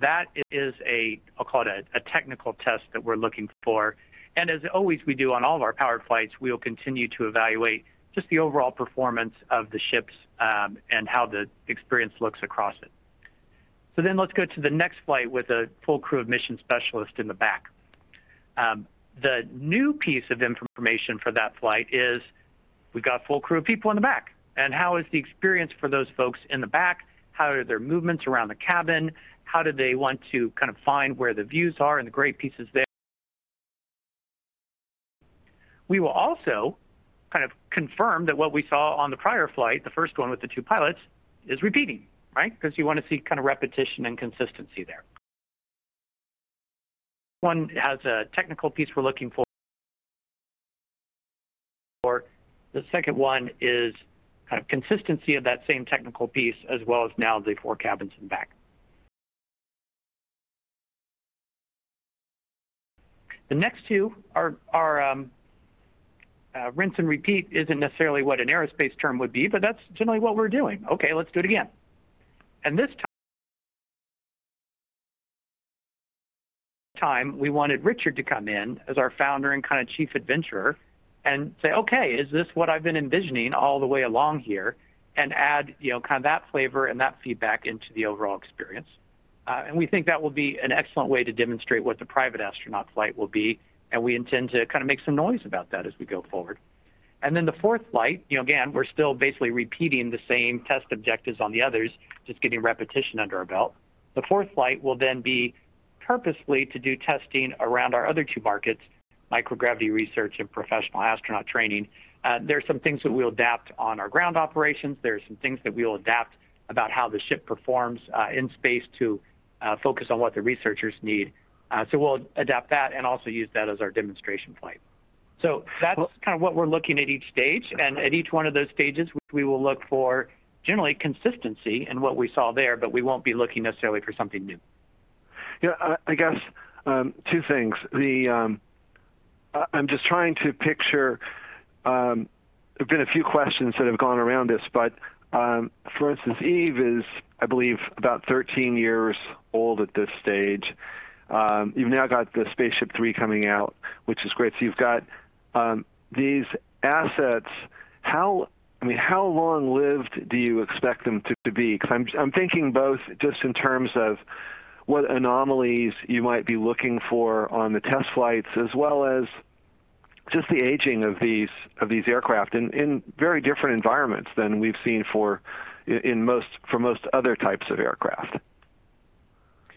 That is a, I'll call it a technical test that we're looking for. As always we do on all of our powered flights, we will continue to evaluate just the overall performance of the ships, and how the experience looks across it. Let's go to the next flight with a full crew of mission specialists in the back. The new piece of information for that flight is we've got a full crew of people in the back, and how is the experience for those folks in the back? How are their movements around the cabin? How do they want to kind of find where the views are and the great pieces there. We will also kind of confirm that what we saw on the prior flight, the first one with the two pilots, is repeating, right? Because you want to see repetition and consistency there. One has a technical piece we're looking for, the second one is kind of consistency of that same technical piece as well as now the four cabins in back. The next two are rinse and repeat isn't necessarily what an aerospace term would be, but that's generally what we're doing. Okay, let's do it again. This time we wanted Richard to come in as our founder and kind of chief adventurer and say, "Okay, is this what I've been envisioning all the way along here?" Add kind of that flavor and that feedback into the overall experience. We think that will be an excellent way to demonstrate what the private astronaut flight will be, and we intend to kind of make some noise about that as we go forward. The fourth flight, again, we're still basically repeating the same test objectives on the others, just getting repetition under our belt. The fourth flight will then be purposely to do testing around our other two markets, microgravity research and professional astronaut training. There are some things that we'll adapt on our ground operations. There are some things that we will adapt about how the ship performs in space to focus on what the researchers need. We'll adapt that and also use that as our demonstration flight. That's kind of what we're looking at each stage, and at each one of those stages, we will look for generally consistency in what we saw there, but we won't be looking necessarily for something new. Yeah. I guess, two things. I'm just trying to picture, there's been a few questions that have gone around this, but, for instance, Eve is, I believe, about 13 years old at this stage. You've now got the SpaceShip III coming out, which is great. You've got these assets. How long-lived do you expect them to be? Because I'm thinking both just in terms of what anomalies you might be looking for on the test flights as well as just the aging of these aircraft in very different environments than we've seen for most other types of aircraft.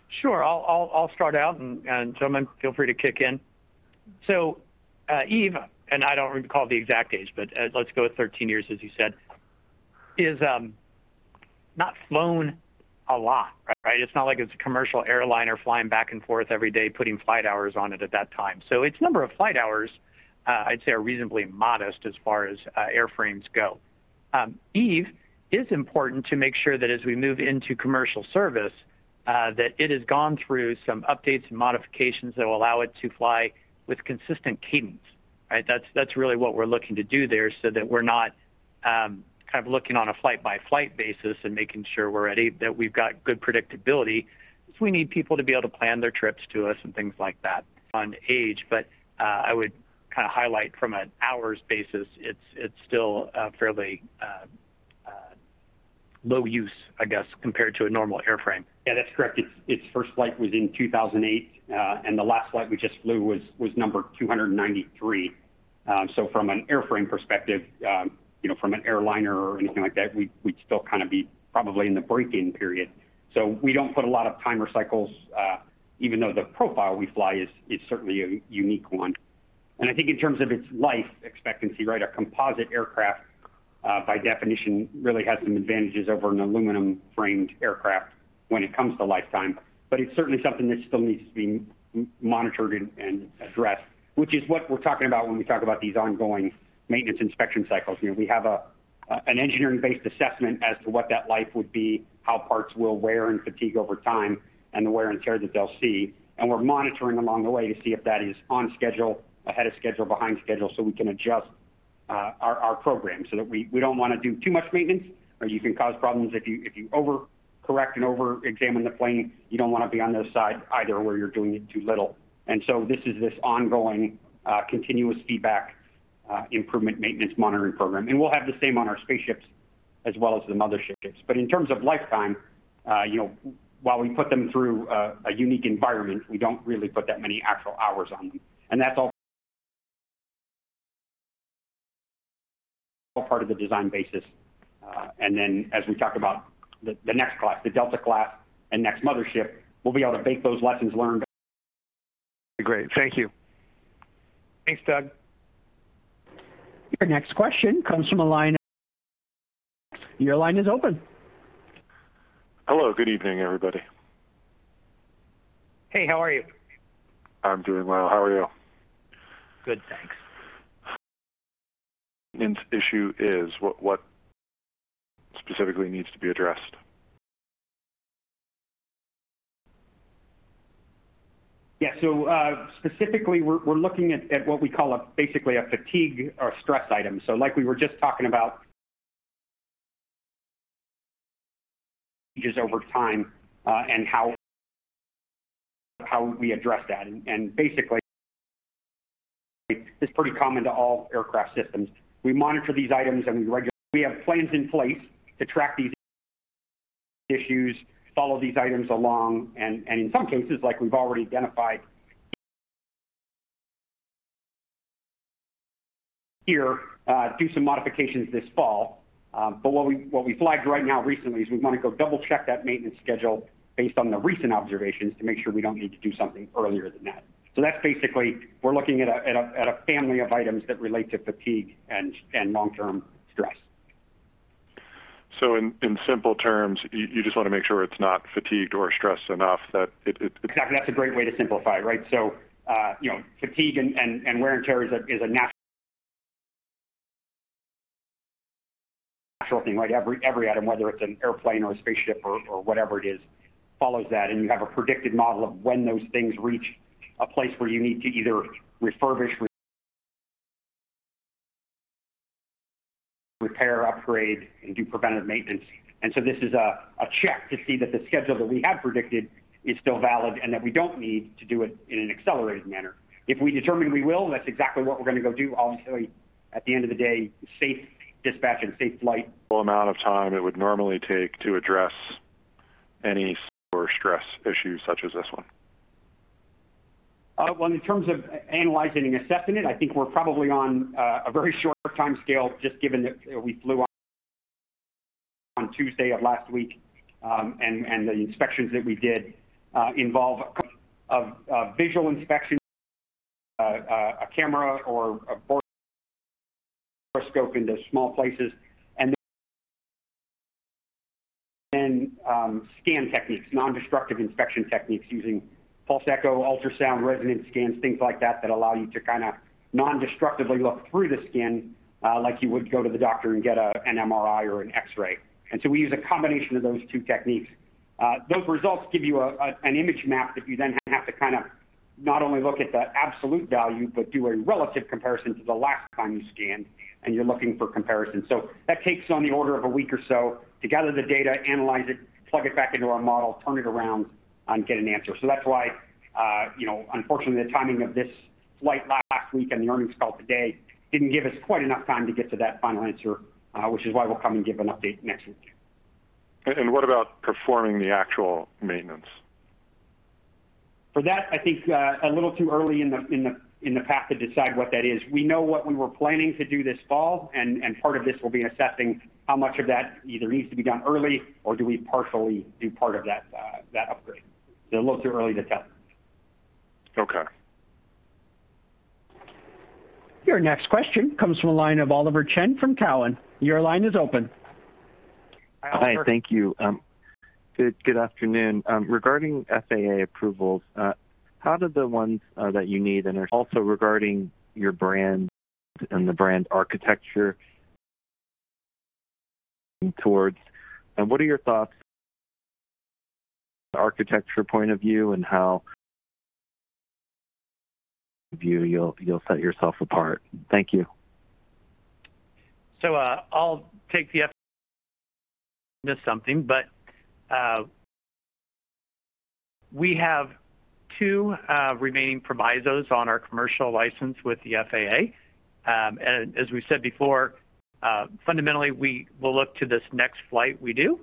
Sure. I'll start out and gentlemen, feel free to kick in. Eve, and I don't recall the exact age, but let's go with 13 years, as you said, has not flown a lot, right? It's not like it's a commercial airliner flying back and forth every day, putting flight hours on it at that time. Its number of flight hours, I'd say, are reasonably modest as far as airframes go. Eve is important to make sure that as we move into commercial service, that it has gone through some updates and modifications that will allow it to fly with consistent cadence. Right? That's really what we're looking to do there so that we're not kind of looking on a flight-by-flight basis and making sure we're ready, that we've got good predictability, because we need people to be able to plan their trips to us and things like that on age. I would kind of highlight from an hours basis, it's still fairly low use, I guess, compared to a normal airframe. That's correct. Its first flight was in 2008, and the last flight we just flew was number 293. From an airframe perspective, from an airliner or anything like that, we'd still kind of be probably in the break-in period. We don't put a lot of time or cycles, even though the profile we fly is certainly a unique one. I think in terms of its life expectancy, right, a composite aircraft, by definition, really has some advantages over an aluminum-framed aircraft when it comes to lifetime, but it's certainly something that still needs to be monitored and addressed, which is what we're talking about when we talk about these ongoing maintenance inspection cycles. We have an engineering-based assessment as to what that life would be, how parts will wear and fatigue over time, and the wear and tear that they'll see, and we're monitoring along the way to see if that is on schedule, ahead of schedule, behind schedule, we can adjust our program. We don't want to do too much maintenance, or you can cause problems if you over-correct and over-examine the plane. You don't want to be on the side either where you're doing it too little. This is this ongoing, continuous feedback improvement maintenance monitoring program. We'll have the same on our spaceships as well as the motherships. In terms of lifetime, while we put them through a unique environment, we don't really put that many actual hours on them. That's all part of the design basis. As we talk about the next class, the Delta class, and next mothership, we'll be able to bake those lessons learned. Great. Thank you. Thanks, Doug. Your next question comes from a line. Your line is open. Hello. Good evening, everybody. Hey, how are you? I'm doing well. How are you? Good, thanks. Issue is, what specifically needs to be addressed? Yeah, specifically we're looking at what we call basically a fatigue or stress item. Like we were just talking about, just over time and how we address that, and basically it's pretty common to all aircraft systems. We monitor these items, and we have plans in place to track these issues, follow these items along, and in some cases, like we've already identified, Here, do some modifications this fall. What we flagged right now recently is we want to go double-check that maintenance schedule based on the recent observations to make sure we don't need to do something earlier than that. That's basically, we're looking at a family of items that relate to fatigue and long-term stress. In simple terms, you just want to make sure it's not fatigued or stressed enough. That's a great way to simplify it, right? Fatigue and wear and tear is a natural thing, right? Every item, whether it's an airplane or a spaceship or whatever it is, follows that, and you have a predicted model of when those things reach a place where you need to either refurbish, repair, upgrade, and do preventative maintenance. This is a check to see that the schedule that we have predicted is still valid and that we don't need to do it in an accelerated manner. If we determine we will, that's exactly what we're going to go do. Obviously, at the end of the day, safe dispatch and safe flight. Full amount of time it would normally take to address any sort of stress issues such as this one. Well, in terms of analyzing and assessing it, I think we're probably on a very short timescale, just given that we flew on Tuesday of last week, and the inspections that we did involve a couple of visual inspections, a camera or a borescope into small places, and then scan techniques, nondestructive inspection techniques using pulse-echo, ultrasound, resonance scans, things like that allow you to non-destructively look through the skin like you would go to the doctor and get an MRI or an X-ray. We use a combination of those two techniques. Those results give you an image map that you then have to not only look at the absolute value, but do a relative comparison to the last time you scanned, and you're looking for comparison. That takes on the order of a week or so to gather the data, analyze it, plug it back into our model, turn it around, and get an answer. That's why, unfortunately, the timing of this flight last week and the earnings call today didn't give us quite enough time to get to that final answer, which is why we'll come and give an update next week. What about performing the actual maintenance? For that, I think a little too early in the path to decide what that is. We know what we were planning to do this fall, and part of this will be assessing how much of that either needs to be done early or do we partially do part of that upgrade. A little too early to tell. Okay. Your next question comes from the line of Oliver Chen from TD Cowen. Your line is open. Hi. Thank you. Good afternoon. Regarding FAA approvals, how did the ones that you need and are also regarding your brand and the brand architecture, and what are your thoughts architecture point of view and how you view you'll set yourself apart? Thank you. We have two remaining provisos on our commercial license with the FAA. As we said before, fundamentally, we will look to this next flight we do.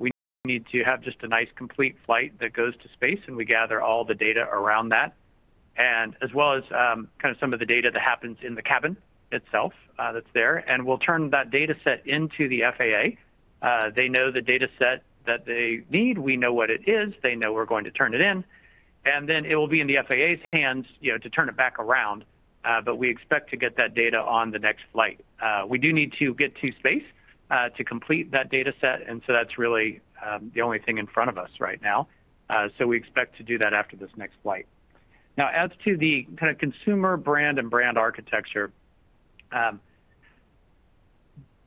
We need to have just a nice complete flight that goes to space, and we gather all the data around that, and as well as some of the data that happens in the cabin itself that's there, and we'll turn that data set into the FAA. They know the data set that they need. We know what it is. They know we're going to turn it in, and then it will be in the FAA's hands to turn it back around. We expect to get that data on the next flight. We do need to get to space to complete that data set, and so that's really the only thing in front of us right now. We expect to do that after this next flight. Now, as to the kind of consumer brand and brand architecture,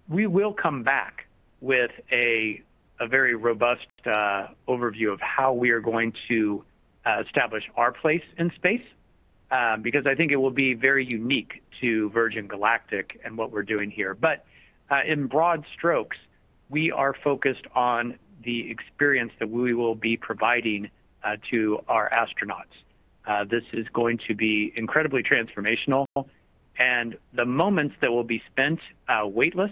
we will come back with a very robust overview of how we are going to establish our place in space, because I think it will be very unique to Virgin Galactic and what we're doing here. In broad strokes, we are focused on the experience that we will be providing to our astronauts. This is going to be incredibly transformational, and the moments that will be spent weightless,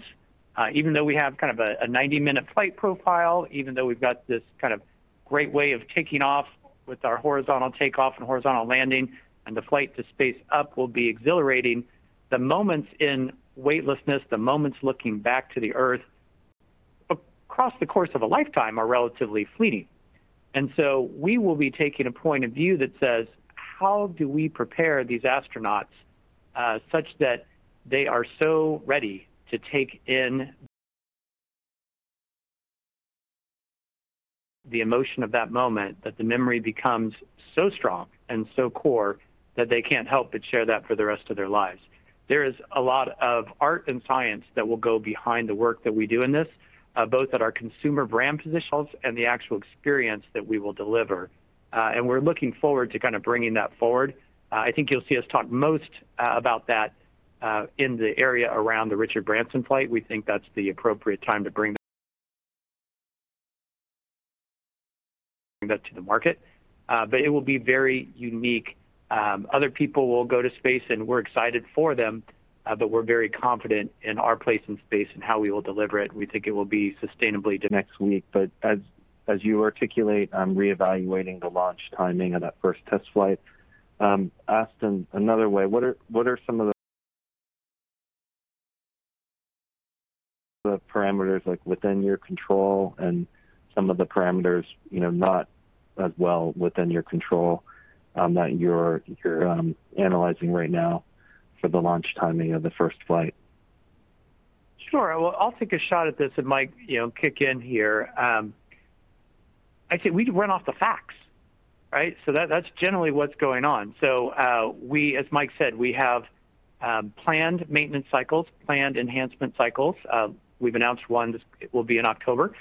even though we have a 90-minute flight profile, even though we've got this great way of taking off with our horizontal takeoff and horizontal landing, and the flight to space up will be exhilarating. The moments in weightlessness, the moments looking back to the Earth across the course of a lifetime are relatively fleeting, so we will be taking a point of view that says, how do we prepare these astronauts such that they are so ready to take in the emotion of that moment, that the memory becomes so strong and so core that they can't help but share that for the rest of their lives. There is a lot of art and science that will go behind the work that we do in this, both at our consumer brand positions and the actual experience that we will deliver. We're looking forward to bringing that forward. I think you'll see us talk most about that in the area around the Richard Branson flight. We think that's the appropriate time to bring that to the market. It will be very unique. Other people will go to space, and we're excited for them, but we're very confident in our place in space and how we will deliver it, and we think it will be sustainably. Next week, as you articulate reevaluating the launch timing of that first test flight, asked in another way, what are some of the parameters within your control and some of the parameters not as well within your control that you're analyzing right now for the launch timing of the first flight? Sure. I'll take a shot at this and Mike, kick in here. I'd say we run off the facts. That's generally what's going on. As Mike said, we have planned maintenance cycles, planned enhancement cycles. We've announced one, this will be in October.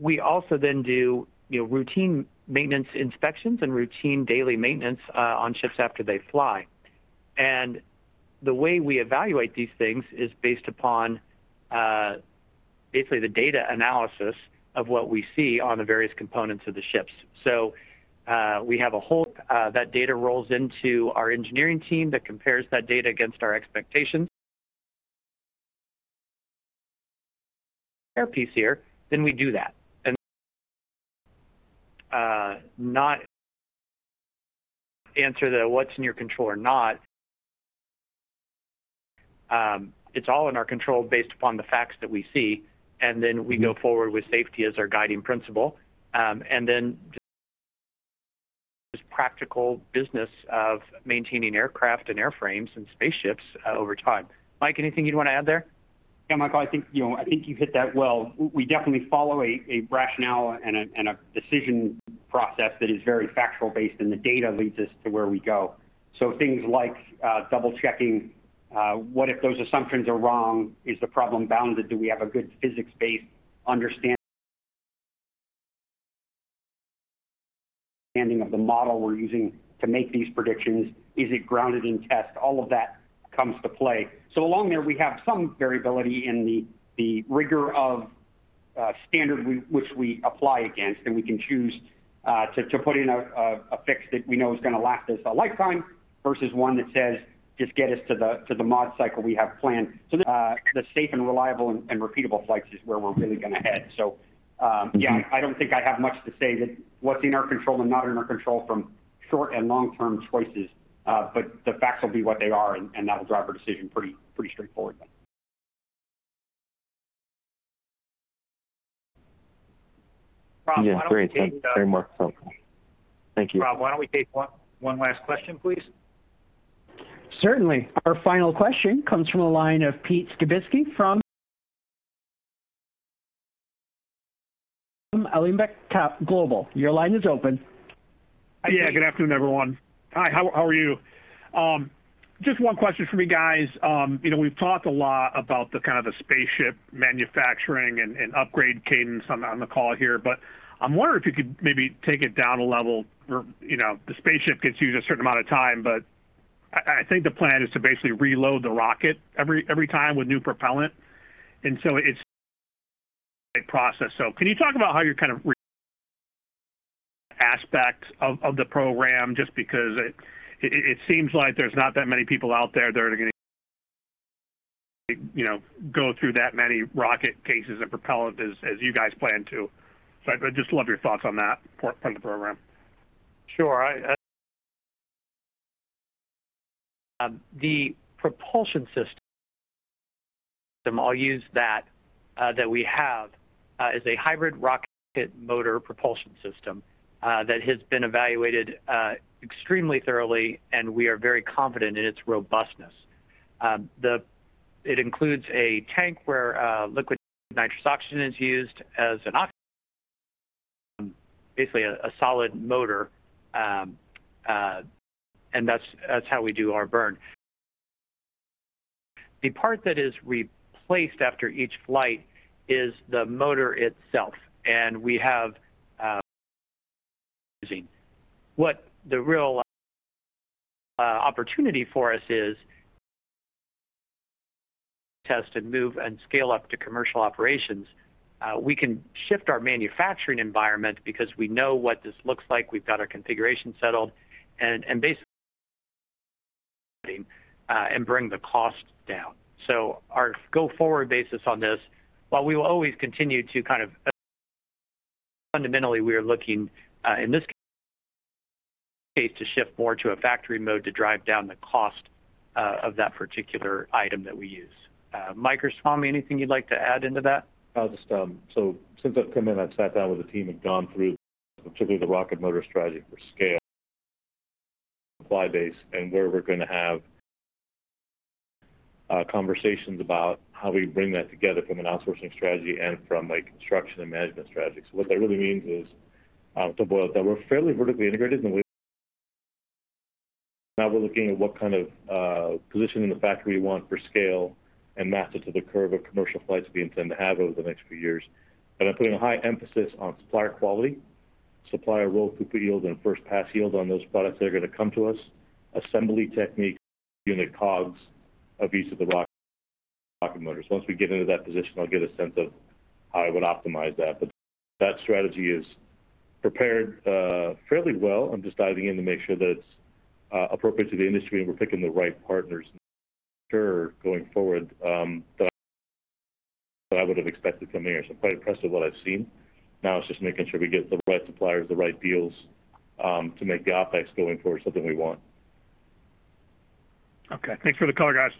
We also then do routine maintenance inspections and routine daily maintenance on ships after they fly. The way we evaluate these things is based upon basically the data analysis of what we see on the various components of the ships. That data rolls into our engineering team that compares that data against our expectations. Clear proof here, then we do that. Not answer the what's in your control or not. It's all in our control based upon the facts that we see, and then we go forward with safety as our guiding principle. Just practical business of maintaining aircraft and airframes and spaceships over time. Mike, anything you'd want to add there? Yeah, Michael, I think you hit that well. We definitely follow a rationale and a decision process that is very factual based. The data leads us to where we go. Things like double-checking, what if those assumptions are wrong? Is the problem bounded? Do we have a good physics-based understanding of the model we're using to make these predictions? Is it grounded in test? All of that comes to play. Along there, we have some variability in the rigor of standard which we apply against. We can choose to put in a fix that we know is going to last us a lifetime versus one that says, "Just get us to the mod cycle we have planned." The safe and reliable and repeatable flights is where we're really going to head. Yeah, I don't think I have much to say that what's in our control and not in our control from short and long-term choices. The facts will be what they are, and that'll drive our decision pretty straightforwardly. Yeah, great. Thanks very much. Thank you. Why don't we take one last question, please? Certainly. Our final question comes from the line of Pete Skibitski from Alembic Global Advisors. Your line is open. Good afternoon, everyone. Hi, how are you? Just one question from me, guys. We've talked a lot about the spaceship manufacturing and upgrade cadence on the call here, but I'm wondering if you could maybe take it down a level. The spaceship gets used a certain amount of time, but I think the plan is to basically reload the rocket every time with new propellant. It's a process. Can you talk about how you're kind of re aspects of the program, just because it seems like there's not that many people out there that are going to go through that many rocket cases and propellant as you guys plan to. I'd just love your thoughts on that for the program. Sure. The propulsion system, I'll use that we have is a hybrid rocket motor propulsion system that has been evaluated extremely thoroughly, and we are very confident in its robustness. It includes a tank where liquid nitrous oxide is used as basically a solid motor, that's how we do our burn. The part that is replaced after each flight is the motor itself. What the real opportunity for us is test and move and scale up to commercial operations. We can shift our manufacturing environment because we know what this looks like. We've got our configuration settled, basically bring the cost down. Our go-forward basis on this, while we will always continue to fundamentally, we are looking in this case to shift more to a factory mode to drive down the cost of that particular item that we use. Mike or Swami, anything you'd like to add into that? Since I've come in, I've sat down with the team and gone through particularly the rocket motor strategy for scale supply base and where we're going to have conversations about how we bring that together from an outsourcing strategy and from a construction and management strategy. What that really means is to boil it down, we're fairly vertically integrated, and now we're looking at what kind of positioning the factory want for scale and match it to the curve of commercial flights we intend to have over the next few years. I'm putting a high emphasis on supplier quality, supplier rolled throughput yield, and first pass yield on those products that are going to come to us, assembly techniques, unit COGS of each of the rocket motors. Once we get into that position, I'll get a sense of how I would optimize that. That strategy is prepared fairly well. I'm just diving in to make sure that it's appropriate to the industry and we're picking the right partners going forward that I would've expected coming here. Quite impressed with what I've seen. Now it's just making sure we get the right suppliers, the right deals, to make the OPEX going forward something we want. Okay. Thanks for the call, guys.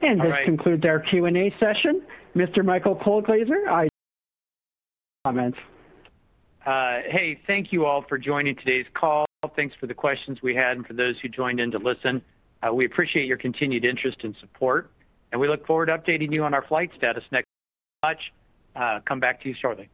This concludes our Q&A session. Mr. Michael Colglazier for closing comments. Hey, thank you all for joining today's call. Thanks for the questions we had and for those who joined in to listen. We appreciate your continued interest and support, and we look forward to updating you on our flight status as we come back to you shortly.